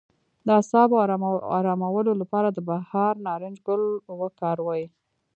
د اعصابو ارامولو لپاره د بهار نارنج ګل وکاروئ